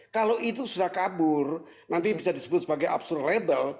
kalau itu sudah kabur nanti bisa disebut sebagai abstruble